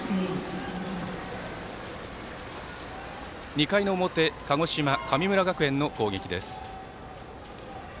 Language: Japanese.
２回の表鹿児島、神村学園の攻撃です。